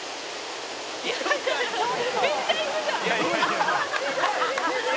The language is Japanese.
「いやめっちゃ行くじゃん」